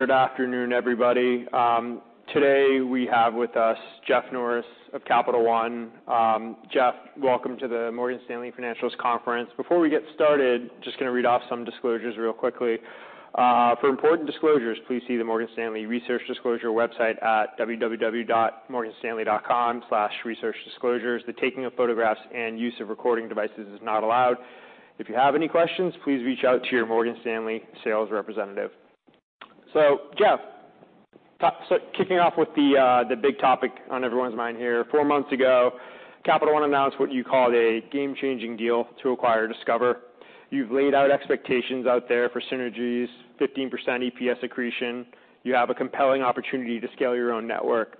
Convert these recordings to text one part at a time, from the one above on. Good afternoon, everybody. Today, we have with us Jeff Norris of Capital One. Jeff, welcome to the Morgan Stanley Financials Conference. Before we get started, just gonna read off some disclosures real quickly. For important disclosures, please see the Morgan Stanley Research Disclosure website at www.morganstanley.com/researchdisclosures. The taking of photographs and use of recording devices is not allowed. If you have any questions, please reach out to your Morgan Stanley sales representative. So Jeff, kicking off with the big topic on everyone's mind here. Four months ago, Capital One announced what you called a game-changing deal to acquire Discover. You've laid out expectations out there for synergies, 15% EPS accretion. You have a compelling opportunity to scale your own network.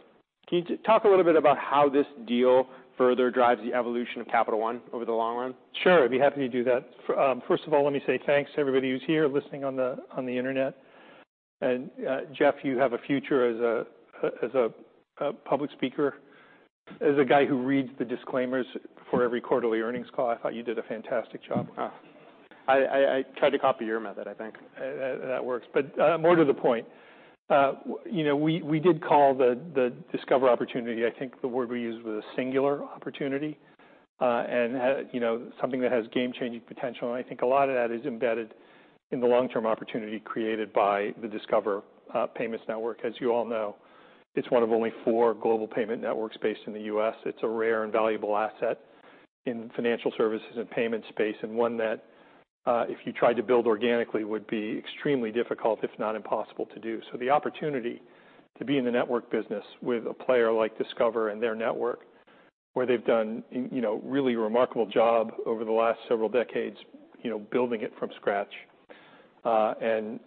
Can you talk a little bit about how this deal further drives the evolution of Capital One over the long run? Sure, I'd be happy to do that. First of all, let me say thanks to everybody who's here, listening on the internet. And, Jeff, you have a future as a public speaker, as a guy who reads the disclaimers for every quarterly earnings call. I thought you did a fantastic job. I tried to copy your method, I think. That works. But, more to the point, you know, we did call the Discover opportunity. I think the word we used was a singular opportunity, and, you know, something that has game-changing potential, and I think a lot of that is embedded in the long-term opportunity created by the Discover payments network. As you all know, it's one of only four global payment networks based in the U.S. It's a rare and valuable asset in financial services and payments space, and one that, if you tried to build organically, would be extremely difficult, if not impossible to do. So the opportunity to be in the network business with a player like Discover and their network, where they've done, you know, a really remarkable job over the last several decades, you know, building it from scratch, and,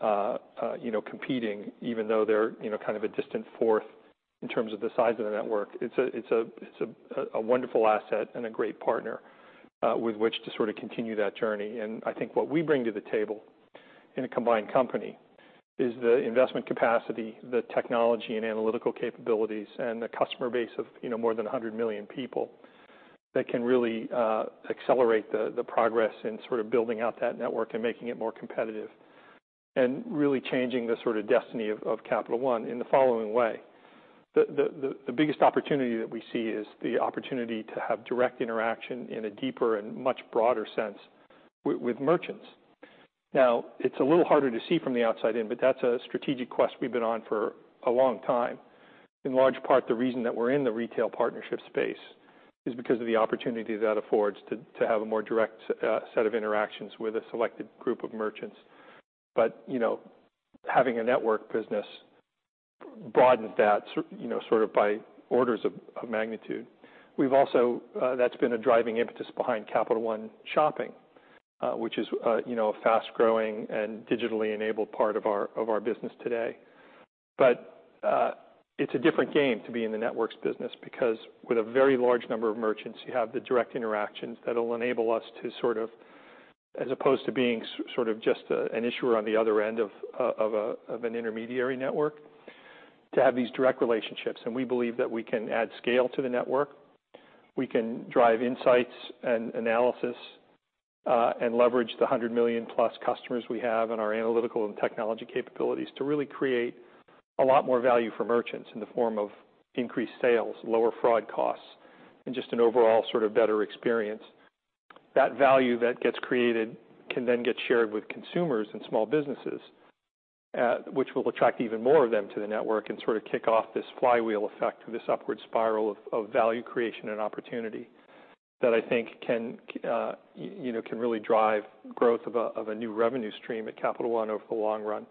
you know, competing, even though they're, you know, kind of a distant fourth in terms of the size of the network. It's a wonderful asset and a great partner with which to sort of continue that journey. I think what we bring to the table in a combined company is the investment capacity, the technology and analytical capabilities, and the customer base of, you know, more than 100 million people that can really accelerate the progress in sort of building out that network and making it more competitive, and really changing the sort of destiny of Capital One in the following way. The biggest opportunity that we see is the opportunity to have direct interaction in a deeper and much broader sense with merchants. Now, it's a little harder to see from the outside in, but that's a strategic quest we've been on for a long time. In large part, the reason that we're in the retail partnership space is because of the opportunity that affords to have a more direct set of interactions with a selected group of merchants. But, you know, having a network business broadens that, you know, sort of by orders of magnitude. We've also-- that's been a driving impetus behind Capital One Shopping, which is, you know, a fast-growing and digitally enabled part of our business today. But, it's a different game to be in the networks business because with a very large number of merchants, you have the direct interactions that'll enable us to sort of, as opposed to being sort of just an issuer on the other end of an intermediary network, to have these direct relationships. We believe that we can add scale to the network. We can drive insights and analysis, and leverage the 100 million-plus customers we have and our analytical and technology capabilities to really create a lot more value for merchants in the form of increased sales, lower fraud costs, and just an overall sort of better experience. That value that gets created can then get shared with consumers and small businesses, which will attract even more of them to the network and sort of kick off this flywheel effect, this upward spiral of value creation and opportunity, that I think can you know can really drive growth of a new revenue stream at Capital One over the long run.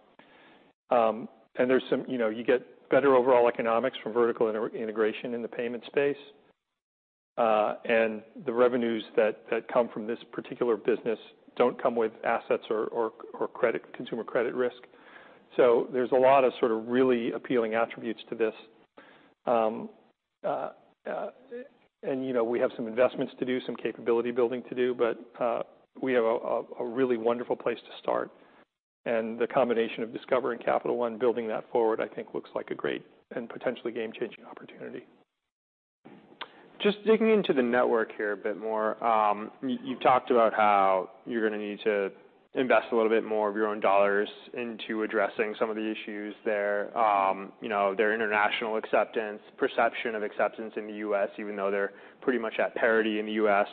There's some—you know, you get better overall economics from vertical integration in the payment space, and the revenues that come from this particular business don't come with assets or consumer credit risk. So there's a lot of sort of really appealing attributes to this. You know, we have some investments to do, some capability building to do, but we have a really wonderful place to start. The combination of Discover and Capital One, building that forward, I think looks like a great and potentially game-changing opportunity. Just digging into the network here a bit more, you, you've talked about how you're gonna need to invest a little bit more of your own dollars into addressing some of the issues there. You know, their international acceptance, perception of acceptance in the U.S., even though they're pretty much at parity in the U.S.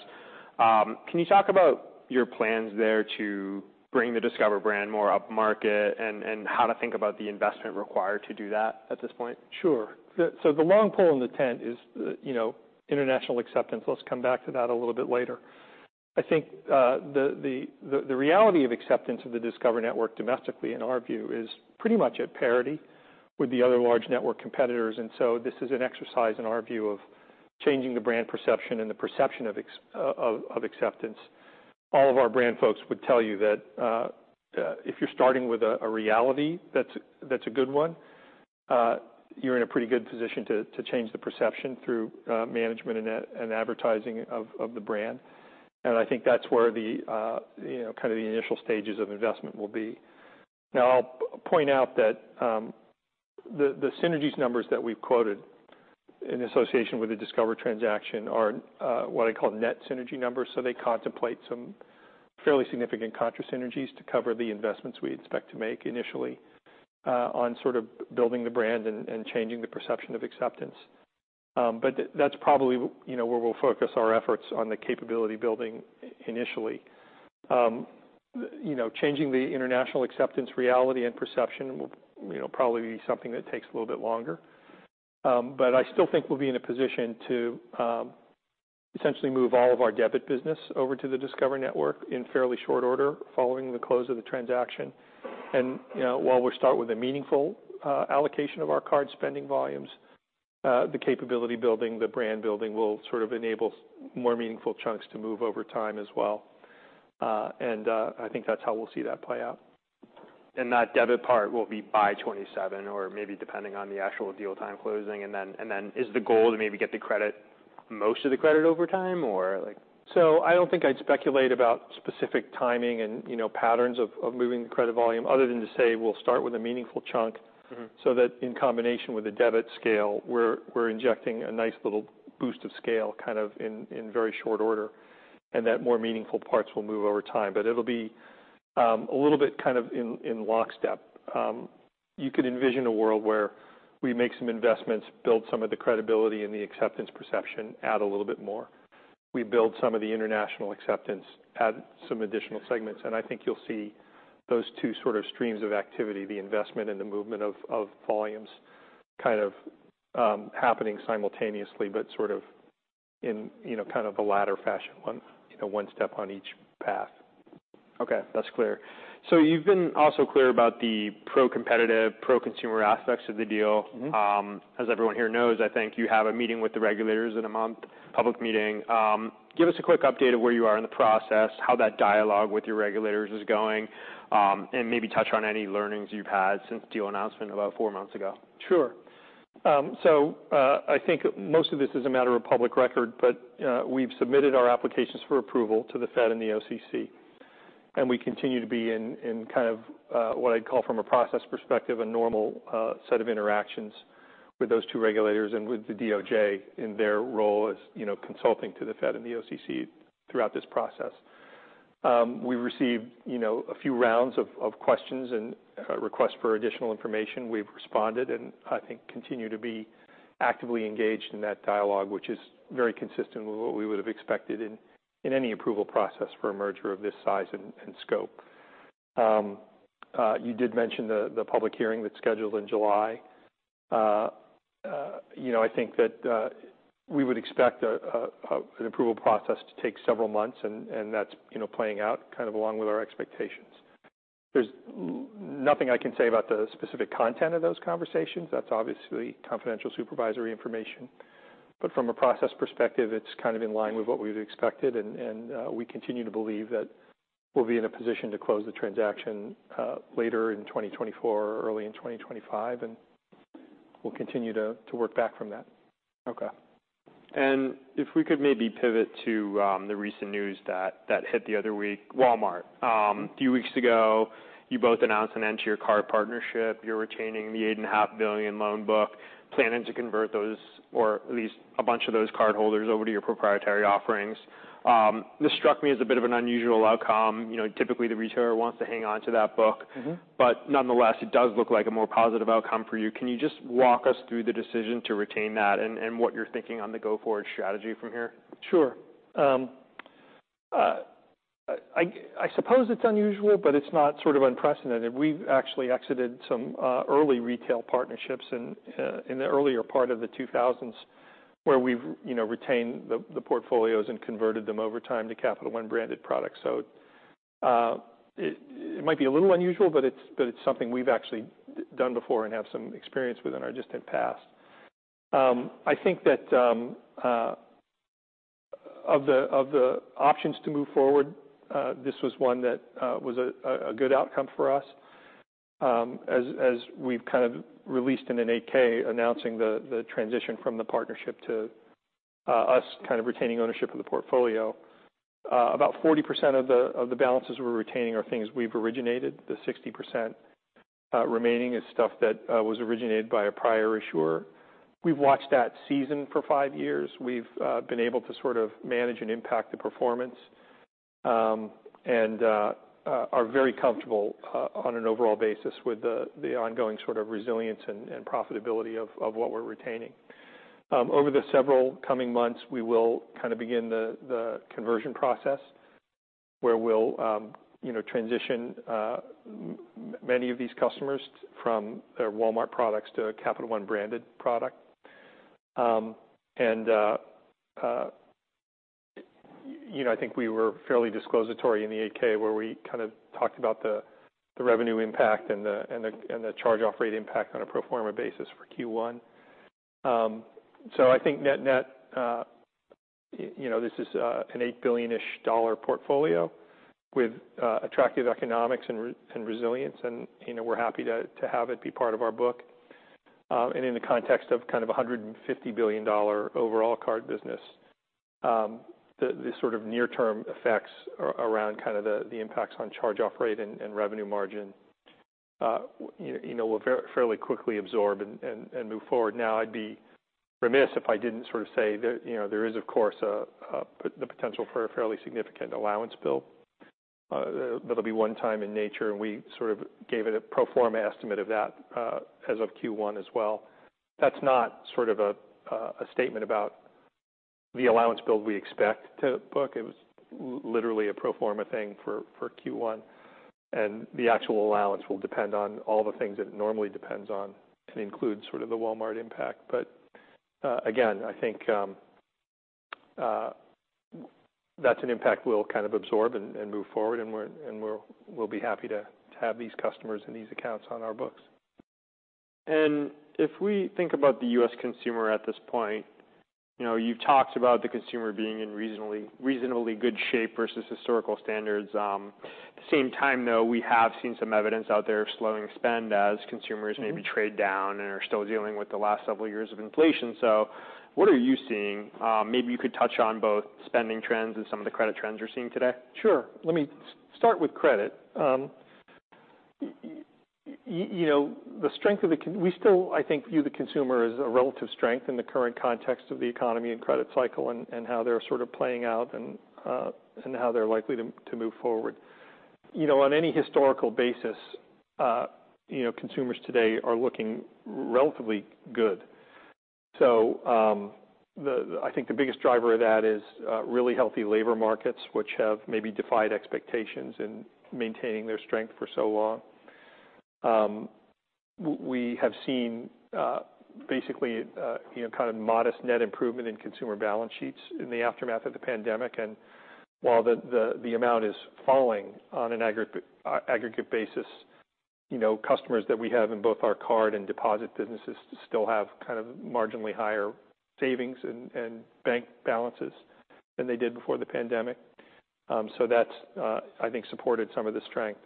Can you talk about your plans there to bring the Discover brand more upmarket, and, and how to think about the investment required to do that at this point? Sure. So the long pole in the tent is the, you know, international acceptance. Let's come back to that a little bit later. I think, the reality of acceptance of the Discover Network domestically, in our view, is pretty much at parity with the other large network competitors. And so this is an exercise in our view of changing the brand perception and the perception of acceptance. All of our brand folks would tell you that, if you're starting with a reality that's a good one, you're in a pretty good position to change the perception through management and advertising of the brand. And I think that's where, you know, kind of the initial stages of investment will be. Now, I'll point out that the synergies numbers that we've quoted in association with the Discover transaction are what I call net synergy numbers. So they contemplate some fairly significant contra synergies to cover the investments we expect to make initially on sort of building the brand and changing the perception of acceptance. But that's probably, you know, where we'll focus our efforts on the capability building initially. You know, changing the international acceptance reality and perception will, you know, probably be something that takes a little bit longer. But I still think we'll be in a position to essentially move all of our debit business over to the Discover Network in fairly short order following the close of the transaction. And, you know, while we'll start with a meaningful allocation of our card spending volumes, the capability building, the brand building will sort of enable more meaningful chunks to move over time as well. And, I think that's how we'll see that play out. And that debit part will be by 2027, or maybe depending on the actual deal time closing, and then, and then is the goal to maybe get the credit, most of the credit over time, or like? So I don't think I'd speculate about specific timing and, you know, patterns of moving the credit volume other than to say we'll start with a meaningful chunk- Mm-hmm. so that in combination with the debit scale, we're injecting a nice little boost of scale, kind of in very short order, and that more meaningful parts will move over time. But it'll be a little bit kind of in lockstep. You could envision a world where we make some investments, build some of the credibility and the acceptance perception, add a little bit more. We build some of the international acceptance, add some additional segments, and I think you'll see those two sort of streams of activity, the investment and the movement of volumes, kind of happening simultaneously, but sort of in, you know, kind of a ladder fashion, one, you know, one step on each path. Okay, that's clear. So you've been also clear about the pro-competitive, pro-consumer aspects of the deal. Mm-hmm. As everyone here knows, I think you have a meeting with the regulators in a month, public meeting. Give us a quick update of where you are in the process, how that dialogue with your regulators is going, and maybe touch on any learnings you've had since the deal announcement about four months ago. Sure. So, I think most of this is a matter of public record, but, we've submitted our applications for approval to the Fed and the OCC, and we continue to be in kind of what I'd call from a process perspective a normal set of interactions with those two regulators and with the DOJ in their role as, you know, consulting to the Fed and the OCC throughout this process. We've received, you know, a few rounds of questions and requests for additional information. We've responded and, I think, continue to be actively engaged in that dialogue, which is very consistent with what we would have expected in any approval process for a merger of this size and scope. You did mention the public hearing that's scheduled in July. You know, I think that we would expect an approval process to take several months, and that's, you know, playing out kind of along with our expectations. There's nothing I can say about the specific content of those conversations. That's obviously confidential supervisory information, but from a process perspective, it's kind of in line with what we've expected, and we continue to believe that we'll be in a position to close the transaction later in 2024 or early in 2025, and we'll continue to work back from that. Okay. And if we could maybe pivot to the recent news that that hit the other week, Walmart. A few weeks ago, you both announced an end to your card partnership. You're retaining the $8.5 billion loan book, planning to convert those, or at least a bunch of those cardholders over to your proprietary offerings. This struck me as a bit of an unusual outcome. You know, typically, the retailer wants to hang on to that book. Mm-hmm. But nonetheless, it does look like a more positive outcome for you. Can you just walk us through the decision to retain that and what you're thinking on the go-forward strategy from here? Sure. I suppose it's unusual, but it's not sort of unprecedented. We've actually exited some early retail partnerships in the earlier part of the 2000s, where we've, you know, retained the portfolios and converted them over time to Capital One branded products. So, it might be a little unusual, but it's something we've actually done before and have some experience with in our distant past. I think that of the options to move forward, this was one that was a good outcome for us. As we've kind of released in an 8-K, announcing the transition from the partnership to us kind of retaining ownership of the portfolio. About 40% of the balances we're retaining are things we've originated. The 60% remaining is stuff that was originated by a prior issuer. We've watched that season for five years. We've been able to sort of manage and impact the performance, and are very comfortable on an overall basis with the ongoing sort of resilience and profitability of what we're retaining. Over the several coming months, we will kind of begin the conversion process, where we'll you know, transition many of these customers from their Walmart products to a Capital One branded product. And you know, I think we were fairly disclosive in the 8-K, where we kind of talked about the revenue impact and the charge-off rate impact on a pro forma basis for Q1. So I think net-net, you know, this is an $8 billion-ish portfolio with attractive economics and resilience, and, you know, we're happy to have it be part of our book. And in the context of kind of a $150 billion overall card business, the sort of near-term effects around kind of the impacts on charge-off rate and revenue margin, you know, we're fairly quickly absorb and move forward. Now, I'd be remiss if I didn't sort of say that, you know, there is, of course, the potential for a fairly significant allowance build. That'll be one-time in nature, and we sort of gave it a pro forma estimate of that, as of Q1 as well. That's not sort of a statement about the allowance build we expect to book. It was literally a pro forma thing for Q1, and the actual allowance will depend on all the things that it normally depends on, and includes sort of the Walmart impact. But again, I think that's an impact we'll kind of absorb and move forward, and we'll be happy to have these customers and these accounts on our books. If we think about the U.S. consumer at this point, you know, you've talked about the consumer being in reasonably, reasonably good shape versus historical standards. At the same time, though, we have seen some evidence out there of slowing spend as consumers- Mm-hmm. -maybe trade down and are still dealing with the last several years of inflation. So what are you seeing? Maybe you could touch on both spending trends and some of the credit trends you're seeing today. Sure. Let me start with credit. You know, the strength of the consumer. We still, I think, view the consumer as a relative strength in the current context of the economy and credit cycle, and how they're sort of playing out, and how they're likely to move forward. You know, on any historical basis, you know, consumers today are looking relatively good. So, I think the biggest driver of that is really healthy labor markets, which have maybe defied expectations in maintaining their strength for so long. We have seen basically you know kind of modest net improvement in consumer balance sheets in the aftermath of the pandemic. And while the amount is falling on an aggregate basis, you know, customers that we have in both our card and deposit businesses still have kind of marginally higher savings and bank balances than they did before the pandemic. So that's, I think, supported some of the strength.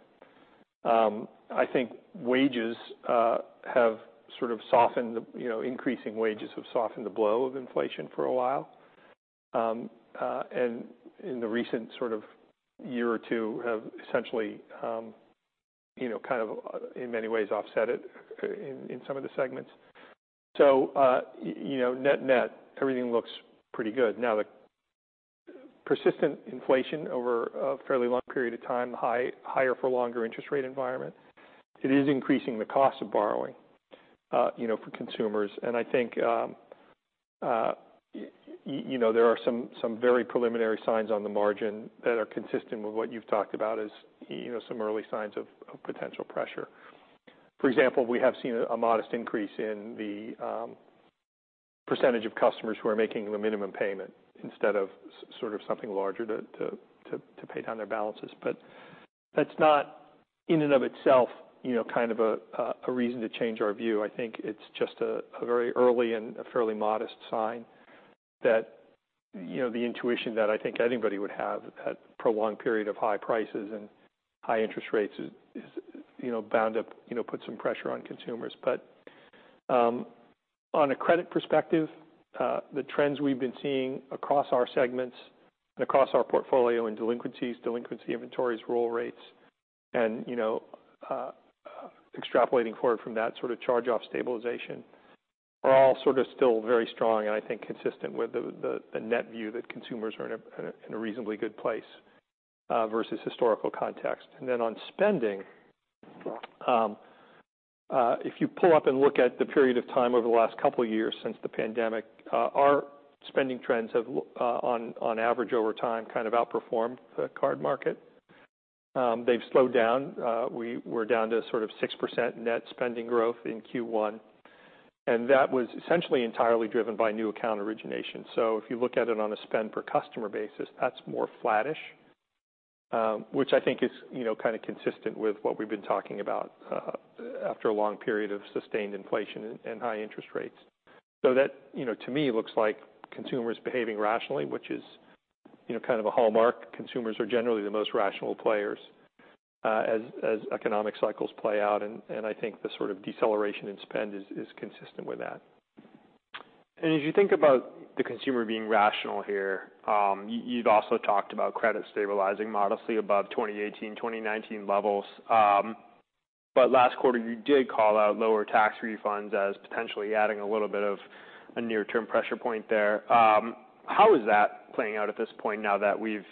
I think wages have sort of softened the, you know, increasing wages have softened the blow of inflation for a while. And in the recent sort of year or two, have essentially, you know, kind of in many ways, offset it in some of the segments. So, you know, net-net, everything looks pretty good. Now, the persistent inflation over a fairly long period of time, higher for longer interest rate environment, it is increasing the cost of borrowing, you know, for consumers. And I think, you know, there are some very preliminary signs on the margin that are consistent with what you've talked about as, you know, some early signs of potential pressure. For example, we have seen a modest increase in the percentage of customers who are making the minimum payment instead of sort of something larger to pay down their balances. But that's not in and of itself, you know, kind of a reason to change our view. I think it's just a very early and a fairly modest sign that, you know, the intuition that I think anybody would have at prolonged period of high prices and high interest rates is, you know, bound to put some pressure on consumers. But, on a credit perspective, the trends we've been seeing across our segments and across our portfolio in delinquencies, delinquency inventories, roll rates, and, you know, extrapolating forward from that sort of charge-off stabilization, are all sort of still very strong, and I think consistent with the net view that consumers are in a reasonably good place, versus historical context. And then on spending, if you pull up and look at the period of time over the last couple of years since the pandemic, our spending trends have on average over time, kind of outperformed the card market. They've slowed down. We were down to sort of 6% net spending growth in Q1, and that was essentially entirely driven by new account origination. So if you look at it on a spend per customer basis, that's more flattish, which I think is, you know, kind of consistent with what we've been talking about, after a long period of sustained inflation and high interest rates. So that, you know, to me, looks like consumers behaving rationally, which is, you know, kind of a hallmark. Consumers are generally the most rational players, as economic cycles play out, and I think the sort of deceleration in spend is consistent with that. As you think about the consumer being rational here, you, you've also talked about credit stabilizing modestly above 2018, 2019 levels. But last quarter, you did call out lower tax refunds as potentially adding a little bit of a near-term pressure point there. How is that playing out at this point now that we've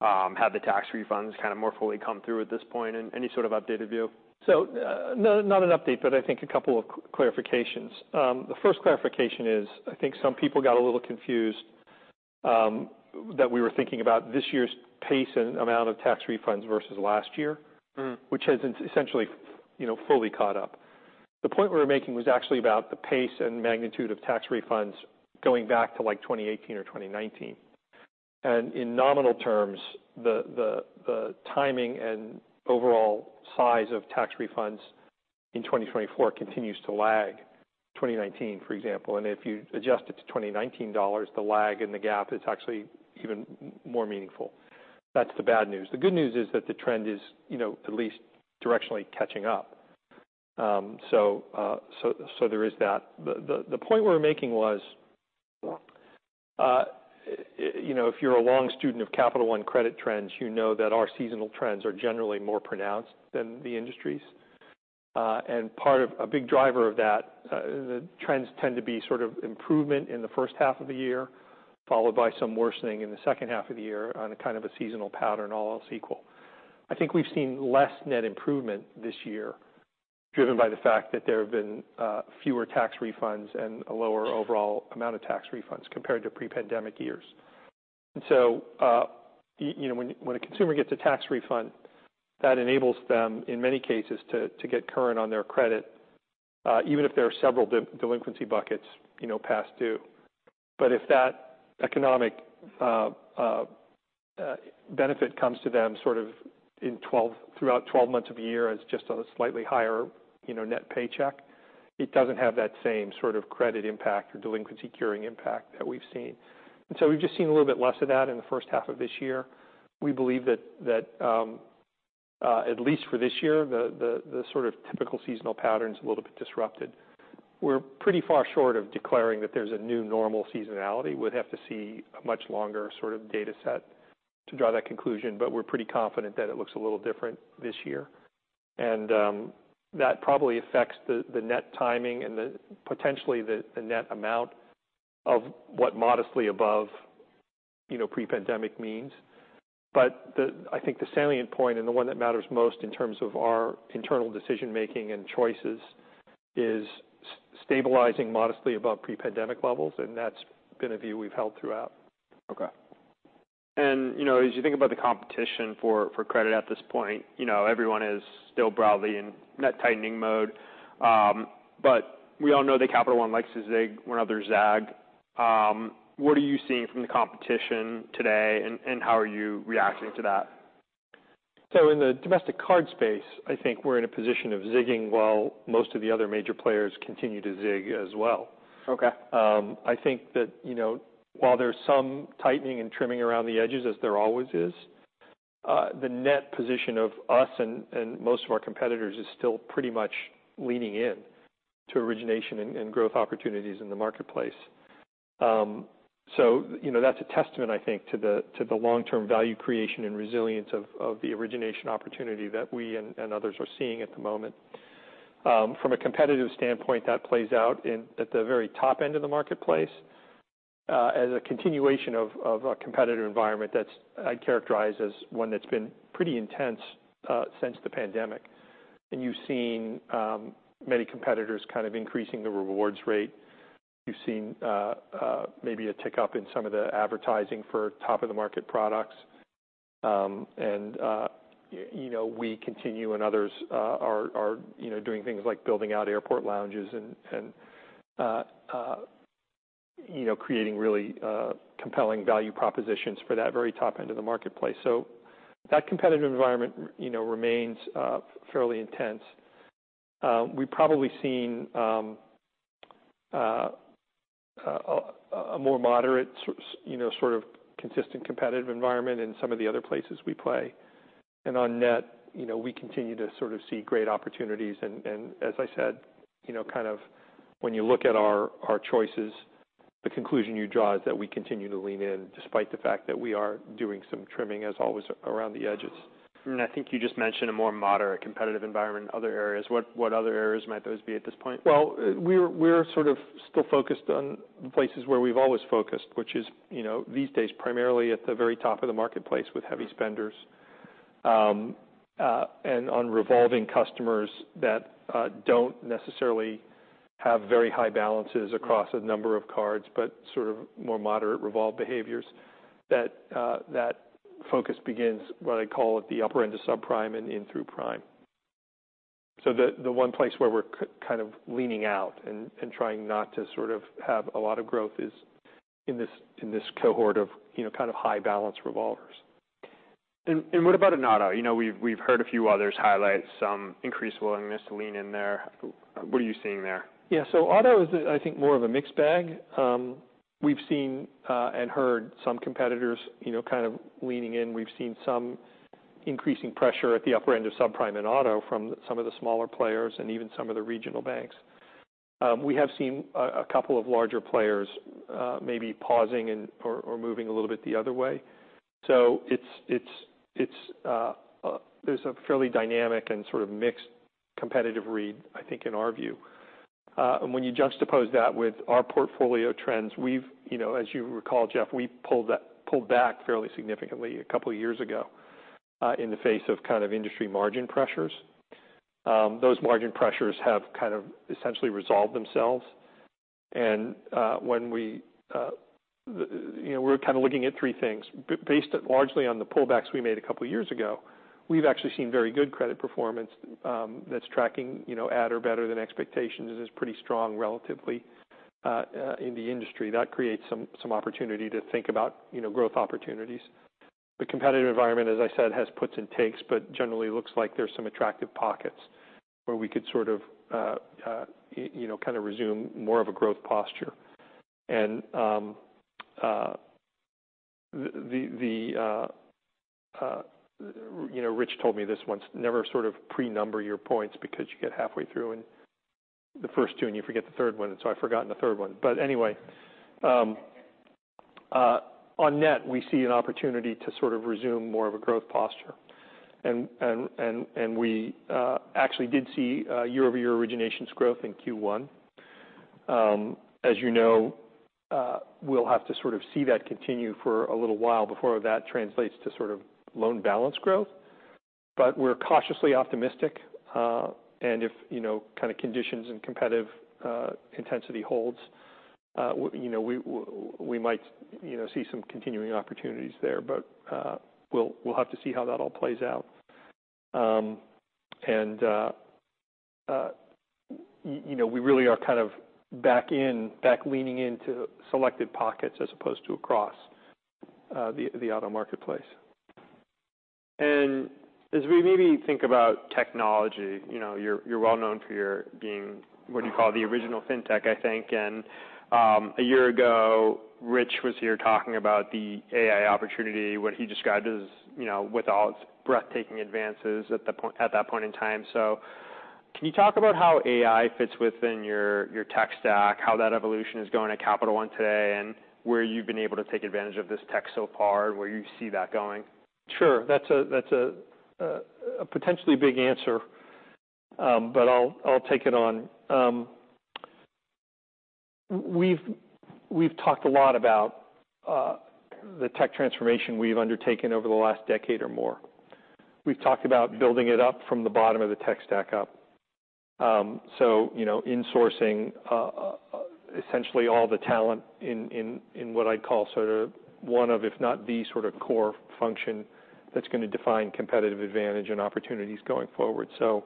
had the tax refunds kind of more fully come through at this point? And any sort of updated view? So, no, not an update, but I think a couple of clarifications. The first clarification is, I think some people got a little confused, that we were thinking about this year's pace and amount of tax refunds versus last year- Mm-hmm. which has essentially, you know, fully caught up. The point we were making was actually about the pace and magnitude of tax refunds going back to, like, 2018 or 2019. And in nominal terms, the timing and overall size of tax refunds in 2024 continues to lag 2019, for example. And if you adjust it to 2019 dollars, the lag and the gap is actually even more meaningful. That's the bad news. The good news is that the trend is, you know, at least directionally catching up. So there is that. The point we were making was you know, if you're a long student of Capital One credit trends, you know that our seasonal trends are generally more pronounced than the industry's. And part of a big driver of that, the trends tend to be sort of improvement in the first half of the year, followed by some worsening in the second half of the year on a kind of a seasonal pattern, all else equal. I think we've seen less net improvement this year, driven by the fact that there have been fewer tax refunds and a lower overall amount of tax refunds compared to pre-pandemic years. And so, you know, when a consumer gets a tax refund, that enables them, in many cases, to get current on their credit, even if there are several delinquency buckets, you know, past due. But if that economic benefit comes to them sort of in 12-- throughout 12 months of the year as just a slightly higher, you know, net paycheck, it doesn't have that same sort of credit impact or delinquency curing impact that we've seen. And so we've just seen a little bit less of that in the first half of this year. We believe that at least for this year, the sort of typical seasonal pattern's a little bit disrupted. We're pretty far short of declaring that there's a new normal seasonality. We'd have to see a much longer sort of data set to draw that conclusion, but we're pretty confident that it looks a little different this year. And that probably affects the net timing and the-- potentially the net amount of what modestly above, you know, pre-pandemic means. But I think the salient point, and the one that matters most in terms of our internal decision making and choices, is stabilizing modestly above pre-pandemic levels, and that's been a view we've held throughout. Okay. You know, as you think about the competition for, for credit at this point, you know, everyone is still broadly in net tightening mode. But we all know that Capital One likes to zig where others zag. What are you seeing from the competition today, and how are you reacting to that? In the domestic card space, I think we're in a position of zigging while most of the other major players continue to zig as well. Okay. I think that, you know, while there's some tightening and trimming around the edges, as there always is, the net position of us and, and most of our competitors is still pretty much leaning in to origination and, and growth opportunities in the marketplace. So, you know, that's a testament, I think, to the, to the long-term value creation and resilience of, of the origination opportunity that we and, and others are seeing at the moment. From a competitive standpoint, that plays out in, at the very top end of the marketplace, as a continuation of, of a competitive environment that's. I'd characterize as one that's been pretty intense, since the pandemic. And you've seen, many competitors kind of increasing the rewards rate. You've seen, maybe a tick up in some of the advertising for top-of-the-market products. And, you know, we continue and others are, you know, doing things like building out airport lounges and, you know, creating really compelling value propositions for that very top end of the marketplace. So that competitive environment, you know, remains fairly intense. We've probably seen a more moderate sort of consistent competitive environment in some of the other places we play. And on net, you know, we continue to sort of see great opportunities. And as I said, you know, kind of when you look at our choices, the conclusion you draw is that we continue to lean in, despite the fact that we are doing some trimming, as always, around the edges. I think you just mentioned a more moderate competitive environment in other areas. What other areas might those be at this point? Well, we're sort of still focused on the places where we've always focused, which is, you know, these days, primarily at the very top of the marketplace with heavy spenders, and on revolving customers that don't necessarily have very high balances across a number of cards, but sort of more moderate revolve behaviors, that focus begins what I call at the upper end of subprime and in through prime. So the one place where we're kind of leaning out and trying not to sort of have a lot of growth is in this cohort of, you know, kind of high balance revolvers. What about in auto? You know, we've heard a few others highlight some increased willingness to lean in there. What are you seeing there? Yeah. So auto is, I think, more of a mixed bag. We've seen and heard some competitors, you know, kind of leaning in. We've seen some increasing pressure at the upper end of subprime and auto from some of the smaller players and even some of the regional banks. We have seen a couple of larger players, maybe pausing and, or, or moving a little bit the other way. So it's a fairly dynamic and sort of mixed competitive read, I think, in our view. And when you juxtapose that with our portfolio trends, we've you know, as you recall, Jeff, we pulled back, pulled back fairly significantly a couple of years ago, in the face of kind of industry margin pressures. Those margin pressures have kind of essentially resolved themselves. And when we th... You know, we're kind of looking at three things. Based largely on the pullbacks we made a couple of years ago, we've actually seen very good credit performance, that's tracking, you know, at or better than expectations, and is pretty strong relatively in the industry. That creates some opportunity to think about, you know, growth opportunities. The competitive environment, as I said, has puts and takes, but generally looks like there's some attractive pockets where we could sort of, you know, kind of resume more of a growth posture. You know, Rich told me this once, never sort of pre-number your points because you get halfway through and the first two, and you forget the third one, and so I've forgotten the third one. But anyway, on net, we see an opportunity to sort of resume more of a growth posture. And we actually did see a year-over-year originations growth in Q1. As you know, we'll have to sort of see that continue for a little while before that translates to sort of loan balance growth. But we're cautiously optimistic, and if, you know, kind of conditions and competitive intensity holds, you know, we might, you know, see some continuing opportunities there. But we'll have to see how that all plays out. And you know, we really are kind of back leaning into selected pockets as opposed to across the auto marketplace. And as we maybe think about technology, you know, you're well known for being what you call the original fintech, I think. And a year ago, Rich was here talking about the AI opportunity, what he described as, you know, with all its breathtaking advances at that point in time. So can you talk about how AI fits within your tech stack, how that evolution is going at Capital One today, and where you've been able to take advantage of this tech so far, and where you see that going? Sure. That's a potentially big answer, but I'll take it on. We've talked a lot about the tech transformation we've undertaken over the last decade or more. We've talked about building it up from the bottom of the tech stack up. So, you know, insourcing essentially all the talent in what I'd call sort of one of, if not the sort of core function that's going to define competitive advantage and opportunities going forward. So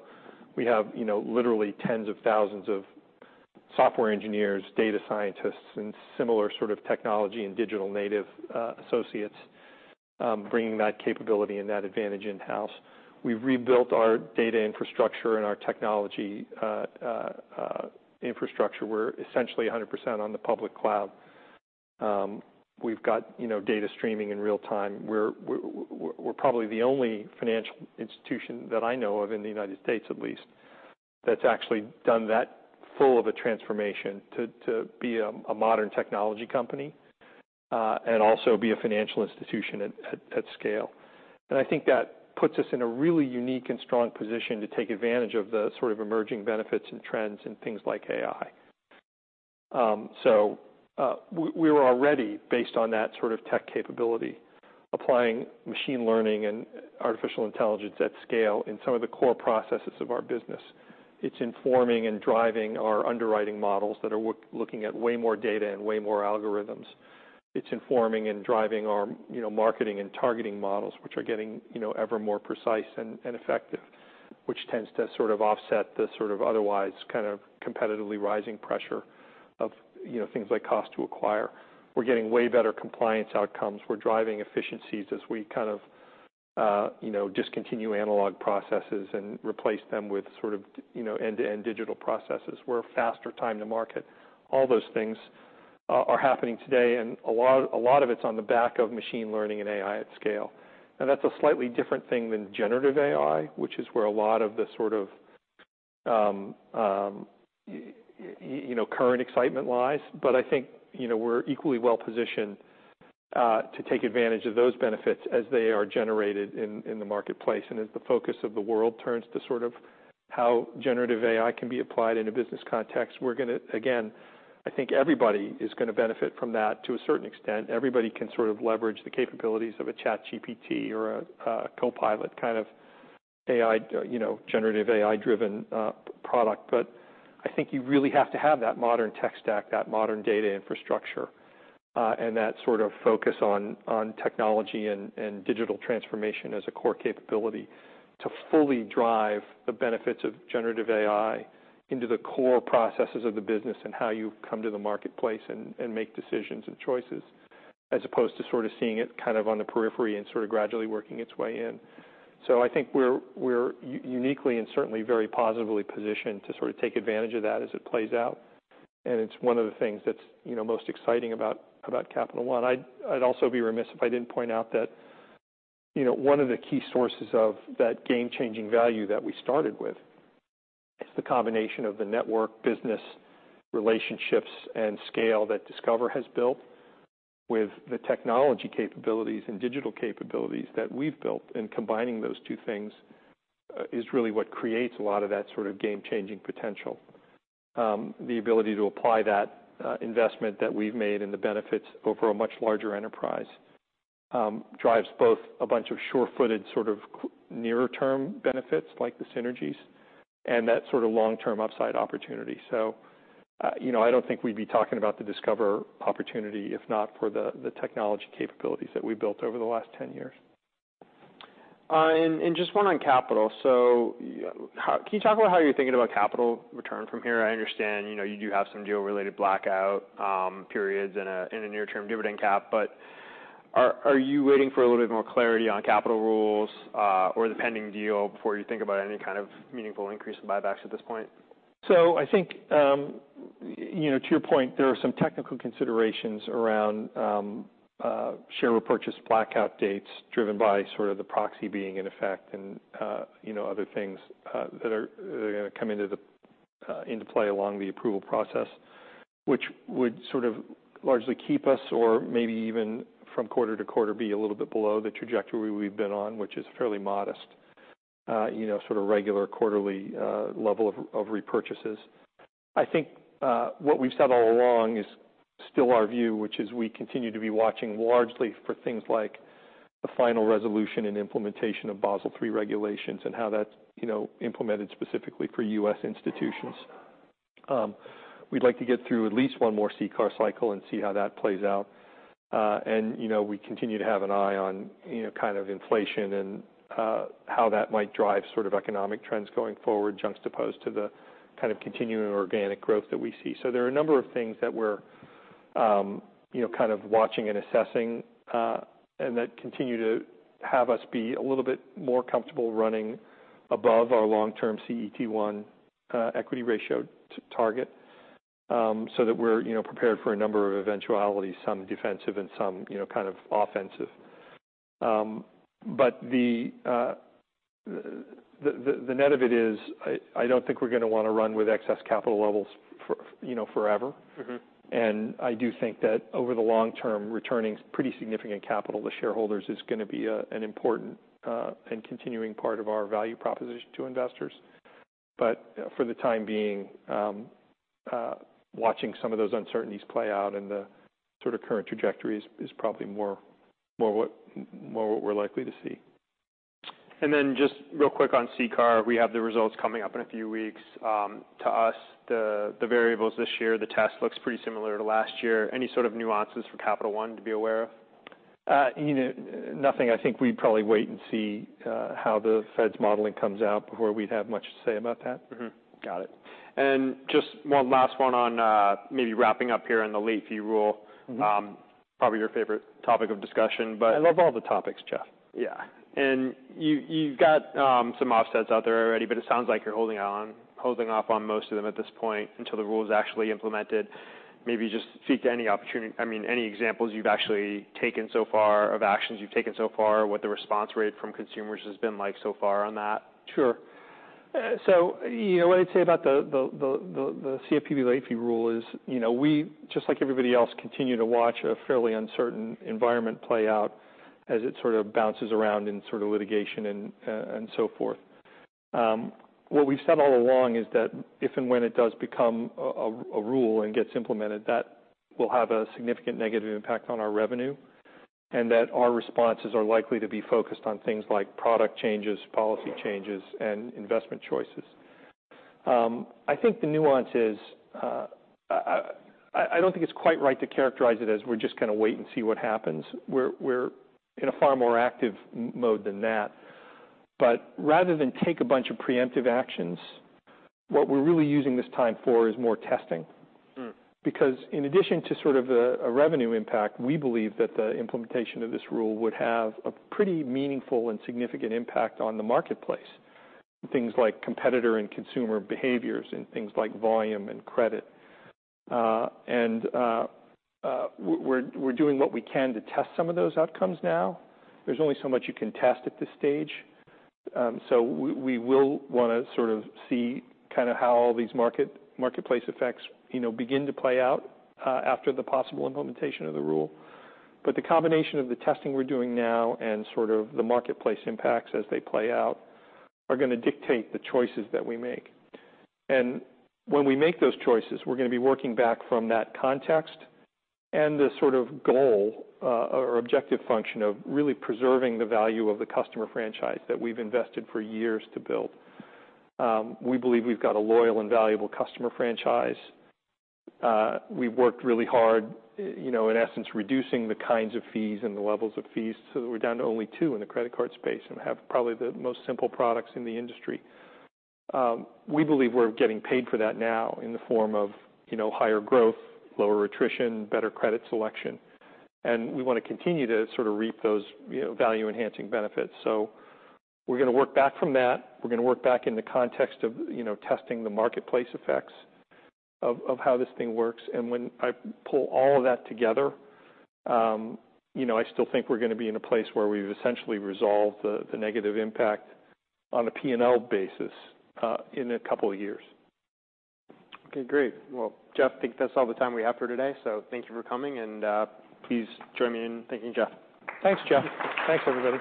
we have, you know, literally tens of thousands of software engineers, data scientists, and similar sort of technology and digital native associates, bringing that capability and that advantage in-house. We've rebuilt our data infrastructure and our technology infrastructure. We're essentially 100% on the public cloud. We've got, you know, data streaming in real time. We're, we're probably the only financial institution that I know of in the United States at least, that's actually done that full of a transformation to, to be a modern technology company, and also be a financial institution at, at, at scale. And I think that puts us in a really unique and strong position to take advantage of the sort of emerging benefits and trends and things like AI. So, we were already, based on that sort of tech capability, applying machine learning and artificial intelligence at scale in some of the core processes of our business. It's informing and driving our underwriting models that are looking at way more data and way more algorithms. It's informing and driving our, you know, marketing and targeting models, which are getting, you know, ever more precise and effective, which tends to sort of offset the sort of otherwise kind of competitively rising pressure of, you know, things like cost to acquire. We're getting way better compliance outcomes. We're driving efficiencies as we kind of, you know, discontinue analog processes and replace them with sort of, you know, end-to-end digital processes. We're faster time to market. All those things are happening today, and a lot of it's on the back of machine learning and AI at scale. Now, that's a slightly different thing than generative AI, which is where a lot of the sort of you know current excitement lies. But I think, you know, we're equally well positioned to take advantage of those benefits as they are generated in the marketplace. And as the focus of the world turns to sort of how generative AI can be applied in a business context, we're going to... Again, I think everybody is going to benefit from that to a certain extent. Everybody can sort of leverage the capabilities of a ChatGPT or a Copilot kind of AI, you know, generative AI-driven product. But I think you really have to have that modern tech stack, that modern data infrastructure, and that sort of focus on technology and digital transformation as a core capability to fully drive the benefits of generative AI into the core processes of the business and how you come to the marketplace and make decisions and choices, as opposed to sort of seeing it kind of on the periphery and sort of gradually working its way in. So I think we're uniquely and certainly very positively positioned to sort of take advantage of that as it plays out, and it's one of the things that's, you know, most exciting about Capital One. I'd also be remiss if I didn't point out that, you know, one of the key sources of that game-changing value that we started with is the combination of the network, business, relationships, and scale that Discover has built with the technology capabilities and digital capabilities that we've built, and combining those two things is really what creates a lot of that sort of game-changing potential. The ability to apply that investment that we've made and the benefits over a much larger enterprise drives both a bunch of sure-footed, sort of nearer-term benefits, like the synergies, and that sort of long-term upside opportunity. So, you know, I don't think we'd be talking about the Discover opportunity if not for the technology capabilities that we've built over the last 10 years. Just one on capital. So, can you talk about how you're thinking about capital return from here? I understand, you know, you do have some deal-related blackout periods and a near-term dividend cap, but are you waiting for a little bit more clarity on capital rules, or the pending deal before you think about any kind of meaningful increase in buybacks at this point? So I think, you know, to your point, there are some technical considerations around share repurchase blackout dates driven by sort of the proxy being in effect and, you know, other things that are gonna come into play along the approval process, which would sort of largely keep us, or maybe even from quarter to quarter, be a little bit below the trajectory we've been on, which is fairly modest, you know, sort of regular quarterly level of repurchases. I think what we've said all along is still our view, which is we continue to be watching largely for things like the final resolution and implementation of Basel III regulations and how that's implemented specifically for U.S. institutions. We'd like to get through at least one more CCAR cycle and see how that plays out. And, you know, we continue to have an eye on, you know, kind of inflation and, how that might drive sort of economic trends going forward, juxtaposed to the kind of continuing organic growth that we see. So there are a number of things that we're, you know, kind of watching and assessing, and that continue to have us be a little bit more comfortable running above our long-term CET1 equity ratio target, so that we're, you know, prepared for a number of eventualities, some defensive and some, you know, kind of offensive. But the net of it is, I don't think we're gonna wanna run with excess capital levels for, you know, forever. Mm-hmm. And I do think that over the long term, returning pretty significant capital to shareholders is gonna be a, an important, and continuing part of our value proposition to investors. But, for the time being, watching some of those uncertainties play out in the sort of current trajectories is probably more, more what, more what we're likely to see. Then just real quick on CCAR, we have the results coming up in a few weeks. To us, the variables this year, the test looks pretty similar to last year. Any sort of nuances for Capital One to be aware of? You know, nothing. I think we'd probably wait and see how the Fed's modeling comes out before we'd have much to say about that. Mm-hmm. Got it. And just one last one on, maybe wrapping up here on the Late Fee Rule. Mm-hmm. Probably your favorite topic of discussion, but- I love all the topics, Jeff. Yeah. And you, you've got some offsets out there already, but it sounds like you're holding on, holding off on most of them at this point until the rule is actually implemented. Maybe just speak to any opportunity, I mean, any examples you've actually taken so far, of actions you've taken so far, what the response rate from consumers has been like so far on that? Sure. So you know, what I'd say about the CFPB Late Fee Rule is, you know, we, just like everybody else, continue to watch a fairly uncertain environment play out as it sort of bounces around in sort of litigation and so forth. What we've said all along is that if and when it does become a rule and gets implemented, that will have a significant negative impact on our revenue, and that our responses are likely to be focused on things like product changes, policy changes, and investment choices. I think the nuance is, I don't think it's quite right to characterize it as we're just gonna wait and see what happens. We're in a far more active mode than that. Rather than take a bunch of preemptive actions, what we're really using this time for is more testing. Hmm. Because in addition to sort of a revenue impact, we believe that the implementation of this rule would have a pretty meaningful and significant impact on the marketplace, things like competitor and consumer behaviors and things like volume and credit. We're doing what we can to test some of those outcomes now. There's only so much you can test at this stage. So we'll wanna sort of see kinda how all these market, marketplace effects, you know, begin to play out, after the possible implementation of the rule. But the combination of the testing we're doing now and sort of the marketplace impacts as they play out, are gonna dictate the choices that we make. When we make those choices, we're gonna be working back from that context and the sort of goal, or objective function of really preserving the value of the customer franchise that we've invested for years to build. We believe we've got a loyal and valuable customer franchise. We've worked really hard, you know, in essence, reducing the kinds of fees and the levels of fees, so we're down to only two in the credit card space and have probably the most simple products in the industry. We believe we're getting paid for that now in the form of, you know, higher growth, lower attrition, better credit selection, and we wanna continue to sort of reap those, you know, value-enhancing benefits. So we're gonna work back from that. We're gonna work back in the context of, you know, testing the marketplace effects of how this thing works. And when I pull all of that together, you know, I still think we're gonna be in a place where we've essentially resolved the negative impact on a P&L basis in a couple of years. Okay, great. Well, Jeff, I think that's all the time we have for today, so thank you for coming and, please join me in thanking Jeff. Thanks, Jeff. Thanks, everybody.